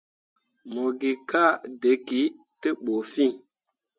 Mo gi kaa dǝkǝ te ɓu fiŋ.